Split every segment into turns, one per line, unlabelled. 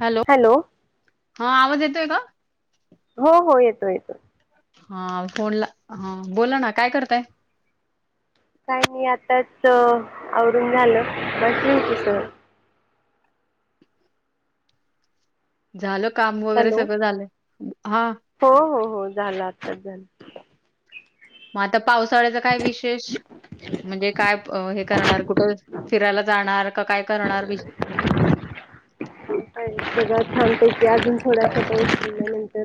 Hello! हा आवाज येतोय का.
हो हो येतो येतोय.
हा फोनला हा बोला ना काय करताय.
काय मी आताच आवरून झालं. बसलीची स
झालं काम वगैरे
हॅलो
सगळं झालं? हा!
हो हो हो झालं आत्ताच झालं
मग आता पावसाळ्याचा काय विशेष म्हणजे, काय हे करणार कुठे फिरायला जाणार का काय करणार विष
सगळं थांबतय की अजून थोडा आ पाऊस गेल्यानंतर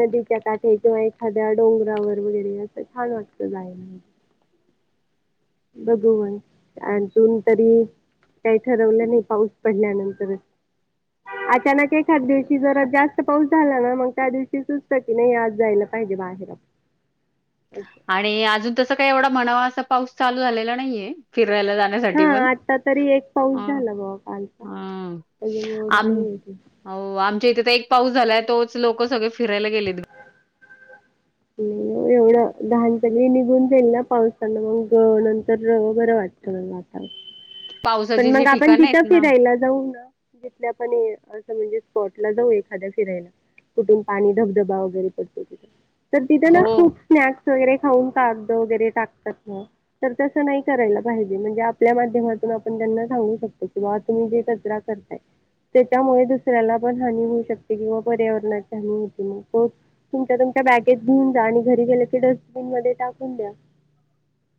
नदीच्या काठे किंवा एखाद्या डोंगरावर वगैरे असं छान वाटत जाय बघू आणखीन तरी काही ठरवलं नाही पाऊस पडल्यानंतरच अचानक एखाद दिवशी जर जास्त पाऊस झाला ना मग त्या दिवशी सुस्त की नाही आज जायला पाहिे [unintelligible]
आणि अजून तस काही एवढा म्हणावा असा पाऊस चालू झालेला नाहीये फिर राहायला जाण्यासाठी
हां,
पण
आता तरी एक पाऊस झाला बाबा कालचा.
हम्म
त्याच्यामुळे
हा
एवढा नाही आहे ते.
हो आमच्या इथे तर एक पाऊस झालाय तोच लोक सगळे फिरायला गेलेत
एवढं लहान चली निघून जाईल ना पावसान मग नंतर बरं वाटत पण
पावसाची जी
मगं आपण
ठिकाण
तिथं
आहेत ना
फिरायला जाऊ ना जिथल्या आपण असं म्हणजे स्पॉट ला जाऊ एखाद्या फिरायला तर तिथ ना
हो
खूप स्नॅक्स [unintelligible] [inaudible] पण त्यांना सांगू शकतो त्याच्यामुळे दुसऱ्याला पण हानी होऊ शकते किंवा पर्यावरणाची हानी होती ना तुमच्या तुमच्या बॅगेत घेऊन जा आणि घरी गेले की डस्टबिन
[unintelligible]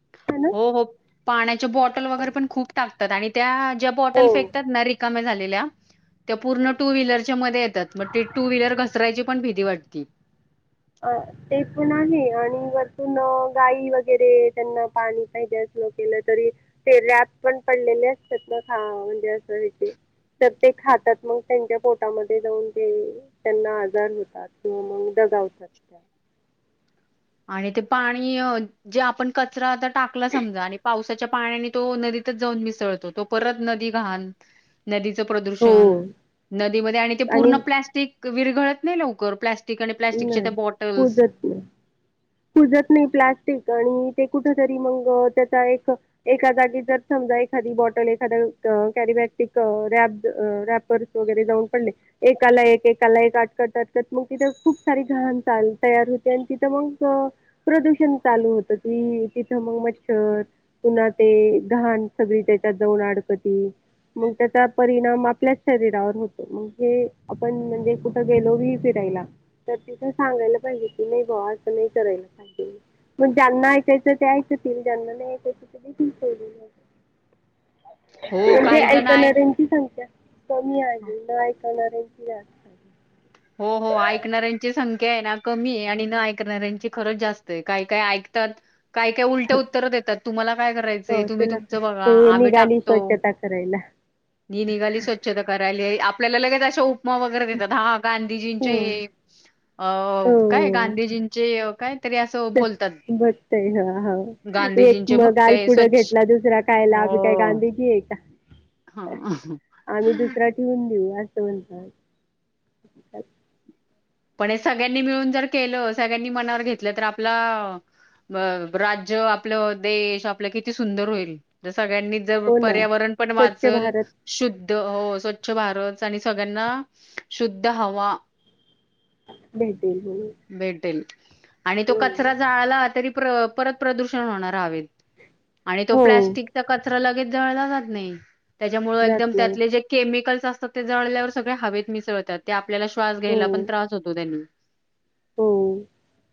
हो हो पाण्याचे बॉटल वगैरे पण खूप टाकतात आणि त्या ज्या बॉटल
हो
फेकतात ना रिकाम्या झालेल्या त्या पूर्ण टू व्हीलरच्या मध्ये येतात मगं ते टू व्हीलर घसरायची पण भीती वाटती
अ ते पण आहे आणि वरतून गाई वगैरे त्यांना पाणी पाहिजे केलं तरी फेऱ्यात पण पडलेले असतात ना खा म्हणजे असं ह्याचे तर ते खातात मगं त्यांच्या पोटामध्ये जाऊन ते त्यांना आजार होतात किंवा मगं [unintelligible]
आणि ते पाणी जे आपण कचरा [inaudible] होऊन मिसळतो तो परत नदी घाण नदी
हो.
[inaudible] आणि प्लास्टिकच्या
नाही
त्या बॉटल्स
कुजत नाही. कुजत नाही प्लास्टिक आणि ते कुठं तरी मंग त्याचा एक एकद्या जागी जर समजा एखादी बॉटल एखादा [inaudible] रॅपर्स वगैरे जाऊन पडले एकाला एक एकाला एक अटकत अटकत मग तिथे खूप सारी घाण [unintelligible] प्रदूषण चालू होत तिथं मगं मच्छर पुन्हा ते घाण सगळीं त्याच्यात जाऊन अडकते मगं त्याचा परिणाम आपल्याच शरीरावर होतो [inaudible] [inaudible] मगं ज्यांना ऐकायचं ते ऐकतील ज्याना नाही ऐकायचा ते देतील सोडुन
हो
म्हणजे
काही जण आहे
ऐकणाऱ्यांची सख्या कमी आहे [inaudible]
[inaudible] तर. काही काय उलटी उत्तर देतात तुम्हाला काय करायचंय
हो
तुम्ही
चला
तुमचं बघा
ते
आम्ही
निघाली
टाकतो
स्वच्छता करायला
मी निघाली स्वच्छता करायली आपल्याला लगेच उपमा‌ वैगरे देतात गांधीजींचे
हं.
हे काय
हं.
गांधीजींचे गांधी
[inaudible] आम्ही
गांधीजींचे भक्त आहे स्वच्छ हो
काय गांधीजी आहे का
हा
म्हणताय..
पण हे सगळ्यांनी मिळून जर केलं. अ राज्य आपलं देश आपलं किती सुंदर होईल सगळ्यांनी जर
हो ना
पर्यावरण पण
स्वच्छ
वाचल.
भारत
हो अ स्वच्छ भारत आणि सगळयांना शुद्ध हवा..
भेटून बोलू..
भेटेल आणि तो कचरा जाळला तरी परत प्रदूषण होणार हवेत... आणि तो
हो,
प्लॅस्टिकचा कचरा लगेच जळला जात नाही. त्याच्यामुळेळ
जात
एकदम
नाही.
त्यातले जे केमिकल्स असतात ते जळल्यावर सगळे हवेत मिसळतात ते.. आपल्याला श्वास
हो,
घ्यायला पण... हो
हो...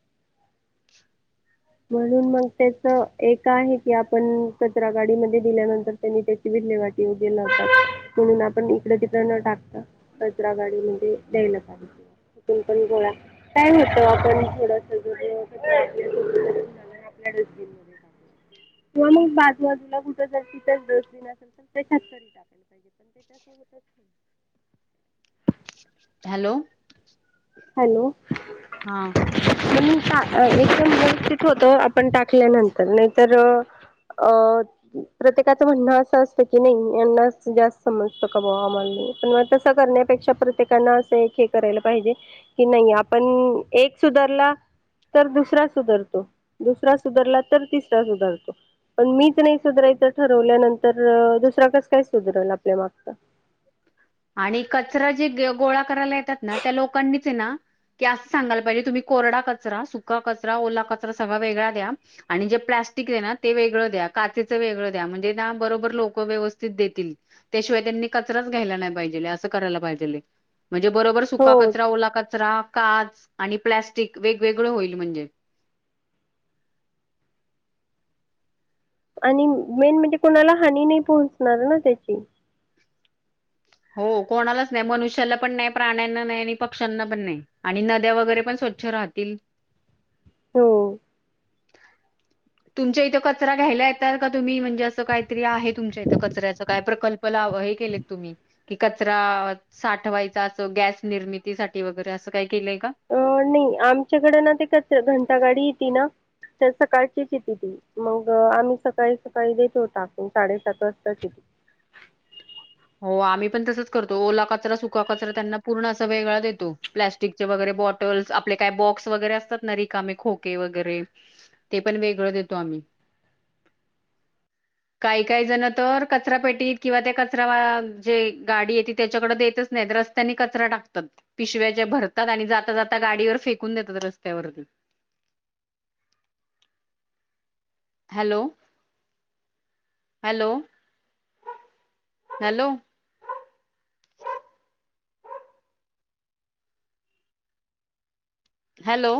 [unintelligible]
म्हणून मग त्याच एक आहे की आपण कचरा गाडी मग दिल्यानंतर त्यांनी त्याची... विल्हेवाट मध्ये लावतात म्हणून आपण इकड तिकड न टाकता कचरा गाडी मध्ये द्यायला तेथून पण गोळा काय होतं आपण थोडस... आपल्या डस्टबिनध्ये टाकायच. किंवा मग बाजूबाजूला कुठ जर तिथं जस दि असेल तर त्याच्यातरी टायला पाहिजे. पण त्याच्यासोबतच नाही.
हॅलो...
हॅलो...
हा
हा एकदम व्यवस्थित होतोय आपण टाकल्यानंतर नाहीतर.. अ प्रत्येकाचं म्हणणं असं असतं की नाही यांना जास्त समजत क ब आम्हाला.. पण मग तस करण्यापेक्षा प्रत्येकना असं एक हे करायला पाहिजे. कि नाही आपण एक सुधारला... तर दुसरा सुधरतो दुसरा सुधरला तर तिसरा सुधारतो. पण मीच नाही सुधारायचं ठरवल्यानंतर दुसरा कस काय सुधरल आपल्या मागच
आणि कचरा जे गोळा करायला येतात ना त्या लोकांनीच आहे ना. की अस सांगयला पाहिजे तुम्ही कोरडा कचरा सुका कचरा ओला कचरा सगळा वेगळा द्या आणि जे प्ला प्लास्टिक हे न ते वेगळं द्या काचेच वेगळ द्या म्हणजे बरोबर लोक व्यवस्थित देतील त्याशिवाय... त्यांनी कचराच घ्यायला नाही पाहिजे अस करायला पाहिजे म्हणजे बरोबर सुका
हो
कचरा ओला कचरा... काच आणि प्लॅस्टिक वेगवेगळं होईल म्हणजे... हम्म
आणि मेन म्हणजे कोणाला हानी नाही पोहोचणार ना त्याची...
हो कोणालाच नाही मनुष्याला पण नाही प्राण्यांना नाही आणि पक्ष्यांना पण नाही आणि नद्या वगैरे पण सुकतील. स्वच्छ राहतील.
हो.
[inaudible] तुमच्या इथे कचरा घ्यायला येतात का तुम्ही म्हणजे असं काहीतरी आहे तुमच्या इथं कचऱ्याच काय प्रकल्प.. हे केले तुम्ही... कि कचरा साठवायचा असो गॅस निर्मितीसाठी वगैरे असं काही केलंय का?
अ नाही आमच्याकडं ना ते कचरा घंटा गाडी येते ना.. त्या सकाळचीच येथे ती मग आम्ही सकाळी सकाळी देतो टाकून साडेसात वाजता येती.
[inaudible] हो आम्ही पण तसच करतो ओलाचरा सुका कचरा त्यांना पूर्ण असा वेगळा देतो प्लॅस्टिकचे वगरे.. बॉटल्स आपले काय बॉक्स वगैरे असतात ना रिकामे खोके वगैरे ते पण वेगळं देतो आम्ही... काही काही जण तर कचरा पेटीत किंवा त्या कच कचरा जे गाडी येत त्याच्याकडे देतच नाही रस्त्यानी कचरा टाकतात पिशव्या ज्या भरतात. आणि जाता जाता गाडीवर फेकून देतात रस्त्यावरती... [inaudible] हॅलो, हॅलो हॅलो हॅलो